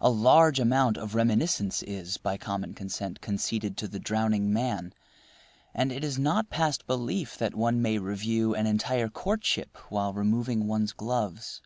A large amount of reminiscence is, by common consent, conceded to the drowning man; and it is not past belief that one may review an entire courtship while removing one's gloves.